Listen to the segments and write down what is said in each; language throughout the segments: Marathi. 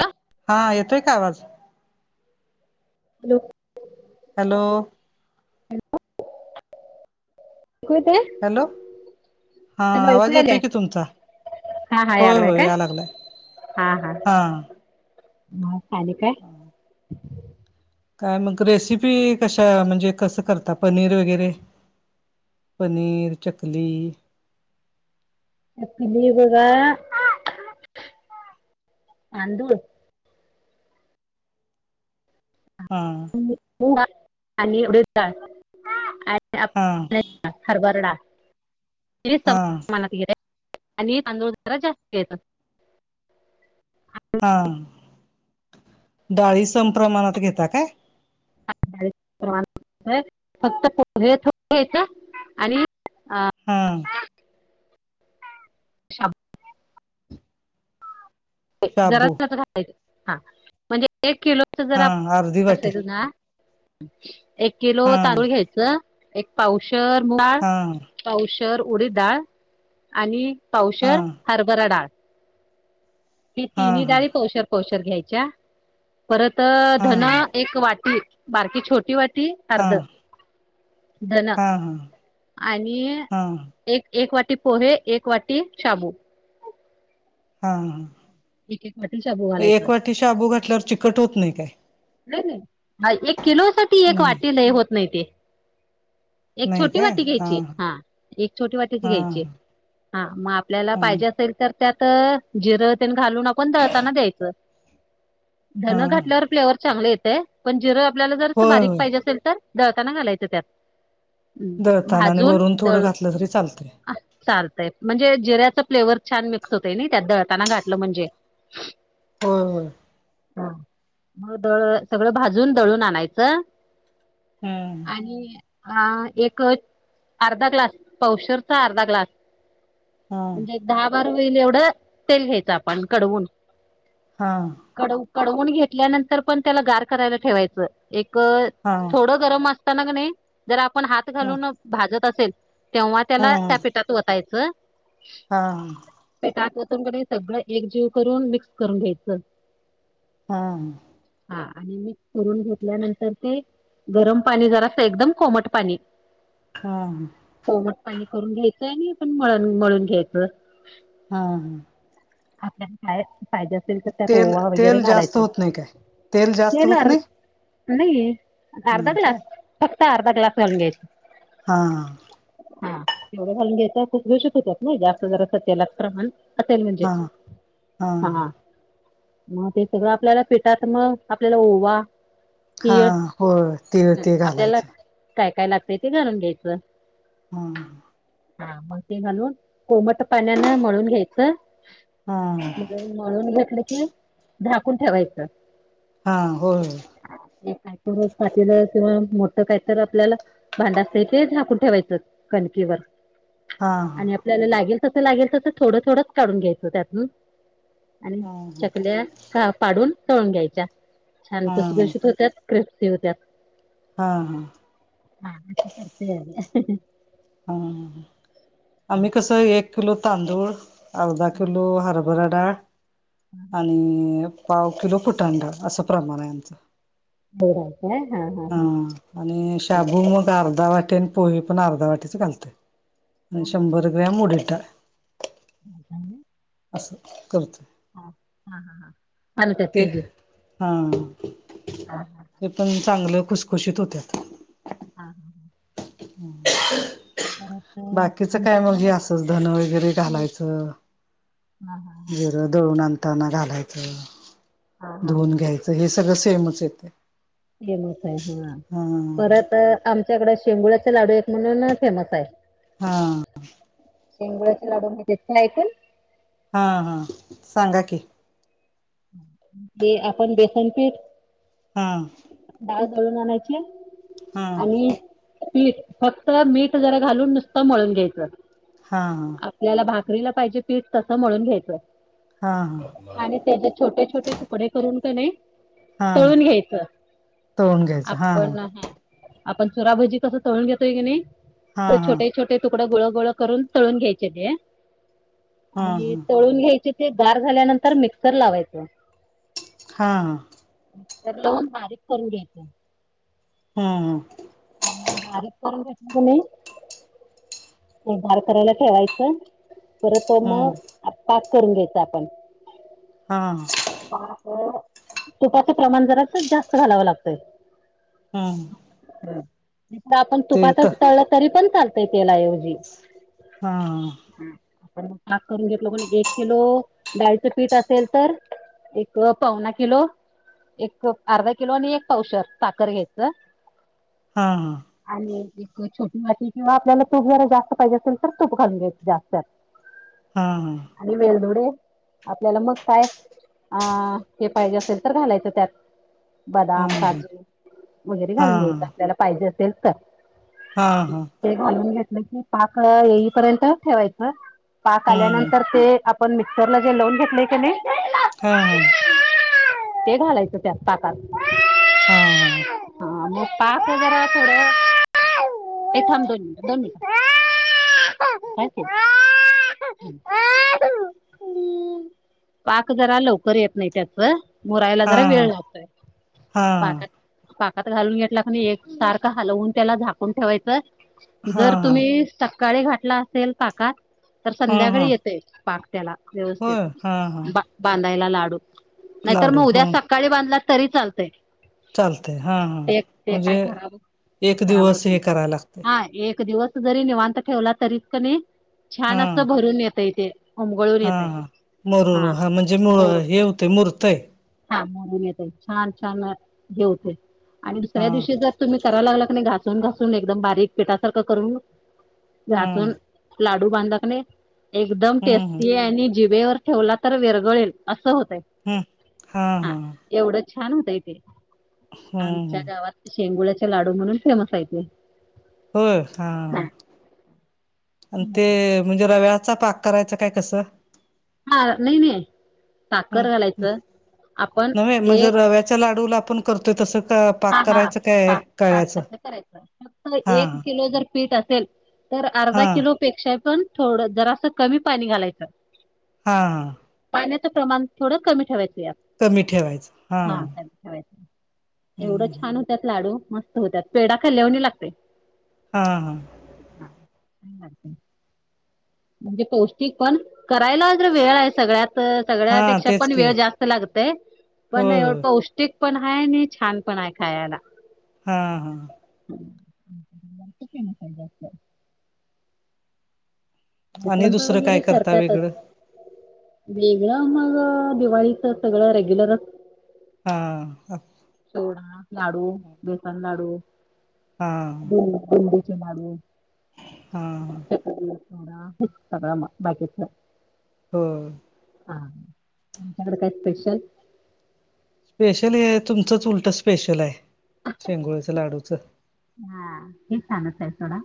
हल हा येतोय का आवाज हॅलो हॅलो हॅलो कुत हॅलो हा आवाज येतोय यायलय कि तुमचा हा हा होय यायलाय हो काय या लागलाय हा हा ह चाले काय काय मग रेसिपी कशा म्हणजे कसं करता पनीर वगैरे पनीर चकली पिली ब का आंदूळ हम आणि उढ हा हरबरडा ति हा समानात गिरे आणि तांदूळ जरा जास्त येतात. हा डाळी समप्रमाणात घेता काय‌. फक्त [unintelligible] [inaudible] आणि हम शाबू जरा शाबू [inaudible] घालायच हा म्हणजे एक किलोच हा जरा अर्धी वाटी [inaudible] ना एक किलो हा तांदूळ घ्यायचं एक पावशर डाळ हा पावशर उडीद डाळ आणि हा पावशर हरभरा डाळ. ती हा तिन्ही हा डाळी पौशर पौशर घ्यायच्या परत हा धन एक वाटी. बारकी छोटी वाटी हा अर्ध धन हा हा आणि एक एक वाटी पोहे एक वाटी शाबू. हा एक एक वाटी शाबू घालायचा. बू घातल्यावर चिकट होत नाही काय एक किलो साठी एक नाही वाटी लय हे होत नाही ते. एक नाही छोटी काय वाटी घ्यायची हा एक छोटी वाटीच हा घ्यायची. हा मग आपल्याला हा पाहिजे असेल तर त्यात जिरं येन घालून आपण दळताना द्यायचं हा धन घातल्यावर फ्लेवर चांगले येते पण जिरं आपल्याला जर होय बारीक होय पाहिजे असेल तर दळताना घालायचं त्यात. हम् दळताना आणि भाजून वरून थोडं दळ घातलं तरी चालतंय चालतंय म्हणजे जिऱ्याच फ्लेवर छान मिक्स होतय ना त्यात दळताना घाठलं म्हणजे. हो हो हा मग दळ सगळं भाजून दळून आणायचं. हम्म आणि अ एक अर्धा ग्लास पवशरचा अर्धा ग्लास हा म्हणजे दहा बारा होईल एवढं तेल घ्यायचं आपण कडवून. हां कड कडवून घेतल्यानंतर पण त्याला गार करायला ठेवायचं एक हा थोड गरम असताना जर आपण हात हा घालून भाजत असेल तेव्हा हा त्याला त्या पिठात ओतायचं हा पिटात वतूनकडे सगळं एकजीव करून मिक्स करून घ्यायचं. हा हा आणि मी करून घेतल्यानंतर ते गरम पाणी जरा असं एकदम कोमट पाणी हा कोमट पाणी करून घ्यायचं आणि आपण मळ मळून घ्यायचं. हा हा आपल्याला काय पाहिजे असेल तर त्यात तेल ओवा वगैरे तेल जास्त घालायचं. होत नाही काय तेल [inaudible] जास्त होत नाही अर्धा नाही ग्लास काय फक्त अर्धा ग्लास घालून घ्यायचा. हा हा तेवढं घालून घ्यायचा खूसखूषीत होतात ना जास्त जरा अस तेलाच प्रमाण असेल म्हणजे हा हा मग ते सगळं आपल्याला पिठात मग आपल्याला ओवा हा तीळ हो ते ते आपल्याला घालायचं. काय काय लागतय ते घालून घ्यायचं. हम हा मग ते घालून कोमट पाण्यान म्हळून घ्यायचं. हा मग मळून घेतलं की झाकून ठेवायचं. हा हो. काय तर पातलं किंवा मोठं काय तर आपल्याला. भांडा असत ते झाकून ठेवायचं कणकीवर. हा हा. आपल्याला लागेल तसं लागेल तसं थोडं थोडं काून घ्यायचं त्यातून. आणि हा चकल्या पाडून टळून घ्यायच्या छान हा खुसखुशीत होत्याात. क्रिस्पी होतात. हा हा. [unintelligible] ह आम्ही कस एक किलो तांदूळ अर्धा किलो हर. हरबरा डाळ आणि पाव किलो फुटाणा डाळ असं प्रमाण आहे आचं. [unintelligible] आणि हां शाबू मग अर्धा वाटे आणि पोहे पण अर्धा वाटेच घालतय शंभर ग्रॅम उडीद डाळ. [inaudible] अससं करत ह हा हा हा ते हा हां ते पण. चांगलं खुसखुशीत होत्यात. हा हा. ह्. अ, बाकीच काय म्हणजे आमच्याकडे असच धन वगैरे शे घालायचं. हां हां हां जिरं दळून आणंतना घालायचं. हां हां हां धुन घ्यायचं हे सगळं सेमच येते. फेमस आहे हा परत आमच्याकडे शेंगोळचे लाडू एक म्हणून फेमस आहे. हा. शेंगोळ्याचे लाडू माहितीत ऐकून? हा हा सांगा की. ते आपण बेसन पीठ. हा. डाळ घालून आणायची हा आणि मीठ फक्त मीठ जरा घालून नुसतं मळून घ्यायचं. हां हां. आपला भाकरीला पाहिजे पीठ तस म्हणून घ्यायचय हा हा आणि छोटे छोटे तुकडे करून का नाही. हा तळून घ्यायचं तळून घ्यायचं हा आपण ह. आपण चुराभजी कस तळून घेतोय की नाही हा हा छोटे छोटे. तुकड गोळ गोळ करून तळून घ्यायचे ते हा आणि तळून घ्याय. ते गार झाल्यानंतर मिक्सर लावायचं. हा. तर तीन बारीक करून घ्यायचं. हा हा. बारीक करून घेतलं की नाही गार करायला ठेवायचं परत त हा मग पाक करून घ्यायच आपण. हा तुपाच प्रमाण जरा जास्त घालावं लागतय. हम्म. आपण तर तुपातच तळलं तरी पण चालतय त्या ऐवजी. हा. ण पाक करून घेतलो क नाय एक किलो डाळीचं पीठ असेल तर एक पावना किलो एक अर्धा किलो आणि एक पावशर साखर घेतल. हा हा. आणि छोटी वाटी किंवा आपल्याला तूप जरा जास्त पाहिजे असेल तर तूप घाून घ्याच जास्त हा हा. आणि वेलधुडे आपल्याला मग काय? ह हे पाहिजे असेल तर घालायचं त्यात. हा हा बदाम काजू वगैरे हा घालून घेऊत आपल्याला पाहिजे असेल तर हा ते घालून घेतलं क पाक येईपर्यंत ठेवायचं पाक हम्म आल्यानंतर ते आपण मिक्सरला जे लवून घेतलेय की नाही. हा हा. ते घालायचं त्यात पाकात. हा ह. हा मग पाच हजार थोर एथम दोन दोन. आ पाक जरा लवकर येत नाही त्याच बरायला हा जरा वेळ हा लागतोय हा पाकात पाकात घालून घेतला क एक सारखं हलवून त्याला झाकून ठेवायचं. हा हा जर तुम्ही सकाकाळी घाठला असेल पाकात तर हा संध्याकाळी येते पाक ला व्यवस्थित होय हा हा बा बांधायला लाडू नाहीतर लाडू मग उद्या ह सकाळी बांधला तरी चालतंय चालतय हा हा ते ते काय म्हणजे खराब एक खराब होत दिवस हे नाही करायला लागते हा एक दिवस जरी निवांत ठेवला तरीच कणी छान हा असं भरून येत इथे हा मरून हा म्हणजे मळ मोर हे होतंय मूर्तय हा मून येत छान छान घेऊते आणि हा दुसऱ्या दिवशी जर तुम्ही करा लागला क नाही घासून घासून एकदम बारीक पेटासारखं करून हम्म घासून लाडू बांधकणे एकदम हम्म टेस्टी आणि जिबेवर ठेवला तर वेर जळेल असं होत आहे. हम्म हा हा. एवढं छान होतंय ते आमच्या हम्म गावात शेंगुळचे लाडू म्हणून फेमस आहेय ते. होय हा आणि ते म्हणजे रव्याचा पाक करायचं काय कसं? हा नाही नाही. ह साखर घालायचं आपण न् म्हणजे एक रव्याच्या लाडूला आपण करतोय तसं का? हा पाक हा करायचं काय पाक पाक कळ्याचं. कसं करायचं फक्त हा एक किलो जर पीठ असेल तर अर्धा हा हा किलो. पेक्षा पण थोडं जरा असं कमी पाणी घालायचं. हां. पाण्याचं प्रमाण थोडं कमी ठेवायचं या कमी ठेवायचं हा. एवढं छान होत्यात लाडू मस्त होत्यात पेढा खालवणी लागते. हा हा. हा. म्हणजे पौष्टिक पण करायला. वेळ आहे सगळ्यात हा सगळ्यापेक्षा तेच पण की वेळ जास्त लागत पण होय एवढं होय प क पण आहे आणि छान पण आहे खायला. हां हा. खू फेमस आहे असत आणि तर दुसरं काय वगैरे करता कररतातच. वेगळं वेगळं मग दिवाळीच सगळं रेग्युलरच हा सोवडा लाडू, बेसन लाडू, हा भ भिंडीचे लाडू हा सगळ मग बाकीच हो हा आमच्याकडे काय स्पेशल. स्पेशल हे तुमचंच उलट स्पेशल आहे. शेंगोळच लाडूच हा हे छानच आहे सोडा.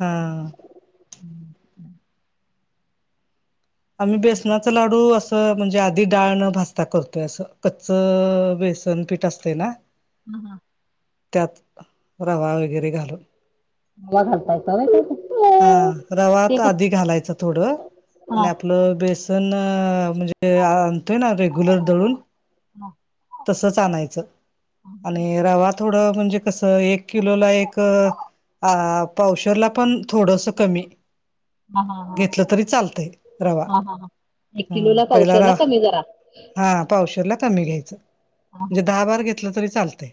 हा आम्ही बेसनाच लाडू अस म्हणजे आधी डाळ ण भजता करतोय अस. कच्च बेसन पीठ असते ना. ह हा त्यात रवा वगैरे घालून. रवा घालतायसा व्हय हा त्यात? रवा ते त कस आधी घालायच थोड. आणि हा आपलं बेसन म्हणजे आणतोय ना रेग्युलर दळून हा तसच आणायच. आणि रवा थोडं म्हणजे कस एक किलोला एक हा पावशेरला पण थोडस कमी. हा हा हा घेतलं तरी चालतय. रवा हा हा हा एक हम्म किलोला पहिला पावशेर रा ना कमी जरा हा पावशला कमी घ्यायचं. हा म्हणजे दहा बारा घेतल तरी चालतय.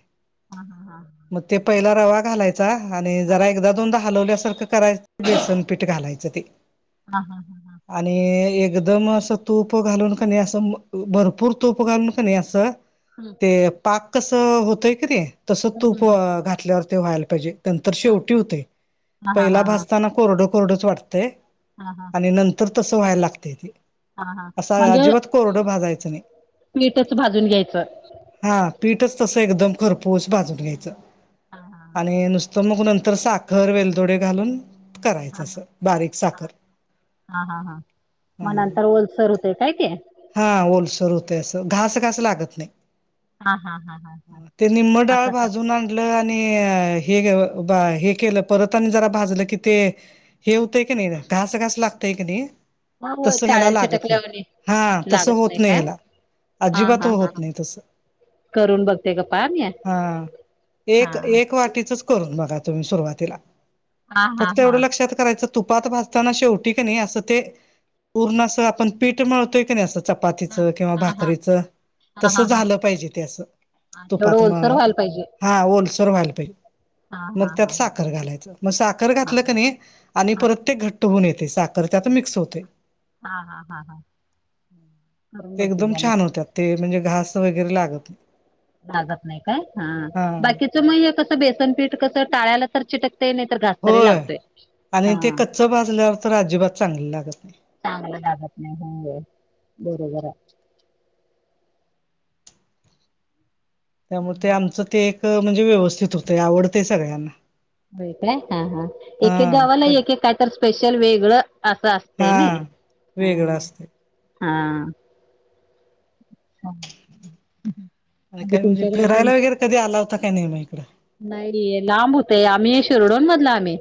हा हा हा मग ते पहिला रवा घालायचा. आणि हा जरा एकदा दोनदा हालवल्यासारख करायच बेसनपीठ घालायच ते. हा हा हा हा आणि एकदम असं तूप घालून क नाही असं भरपूर तुप घालून क नाही असं हम्म ते पाक कस होतय कि ते तसं हम्म तूप हम्म हम्म. घातल्यावर ते व्हायला पाहिजे. नंतर शेवटी होतय. हा हा पहिला हा हा भाजताना कोरड कोरडच वाटतय. हा हा नंतर तस व्हायला लागतय ते. हा हा. असा म्हणजे अजिबात कोरड भाजायच नाही. पीठच भाजून घ्यायचं हा पीठच तस एकदम खरपूस भाजून घ्यायच. हा हा आणि नुस तर मग नंतर साखर वेलदोडे घालून करायच. हा अस बारीक साखर. हा हा हा मग हं नंतर ओलसर होतय काय ते. हा ओलसर होतय. असं घास घास लागत नाही. हा हा हा हा हा ते निम्म डाळ असं कर भाजून आण आणि हे हे केलं परत आणि जरा भाजलं की ते हे होतंय की नाही. घास घास लागतय की नाही मग होय, तस ह्याला चाळ्याला लागत नाही. चिटकल्यावानी हा तस लागत होत नाही काय ह्याला. हा अजिबात हा हा होत हा. नाही तस. करून बघते का पाहा म्या. हा एक हा एक वाटीचच करून बघा तुम्ही सुरवातला. हा हा फक्त एवढ हा लक्षात करायच तुपात भाासताना शेवटी क नाही असं ते उरणास आपण पीठ मिळतोय की नाही असं चपातीच हा किंवा हा हा भाकरीच. हा तस हा हा झाल पाहिजे ते अस तेवढं तुपात म ओलसर व्हायला पाहिजे हा ओलसर व्हायला पाहिजे. हा मग हा त्यात हा हा साखर घालायच. मग साखर हा घातल क नाही. आणि हा परत ते घट्ट होऊन येते. साखर त्यात मिक्स होते. हा हा हा हा करून ते बघते एकदम घ्या छान नक्की होत्यात ते म्हणजे घास वगैरे लागत नाही. भाजत नाही काय? हा बाकीच मग कसं बेसन पीठ कस टाळ्याला तर चिटकते. नाही तर घ होय आणि ते कच्च भाजल्यावर तर अजिबात चांगले लागत नाही. चांगलं लागत नाही हो बरोबर. त्यामुळे ते आमचं ते एक म्हणजे व्यवस्थित होतय आवडतंय सगळ्यांना बय हा हा एके गावाला हा एक काय तर स्पेशल वेगळं असं असत. हा तेने ह वेगळं असते हा. हा. आणि काय म्हणजे फिरायला वगैरे कधी आला होता काय नाहीे म इकं. नाहीे लांब होतय आम्ही शिरडोन मधला आम्ही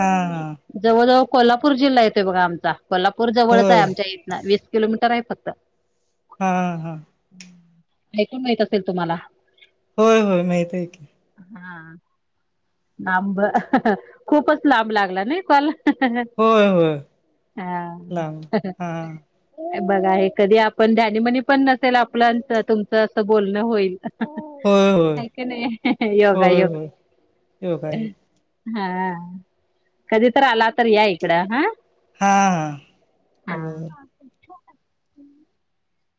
हा हा जवळ जवळ कोल्हापूर जिल्हा येतोय बघा आमचा कोल्हापूर जवळच आहे. होय आमच्या इथनं वीस किलोमीटर आहे फक्त. हा हा. ऐकून माहत असेल तुम्हाला. होय होय माहित आहे की. हा लांब खूपच लांब लागला ना कॉल. होय होय लांब हा. हा बघा आहे कधी आपण धनीमनी पण नसेल आपल्याच तुमचं असं बोलणं होईल. होय होय ऐकणे योगा होय योग. होय योगा योग हा कधी तर आला तर या इकडं हा. हा हा.